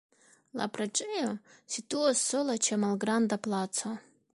La preĝejo situas sola ĉe malgranda placo.